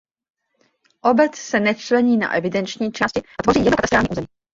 Obec se nečlení na evidenční části a tvoří ji jedno katastrální území.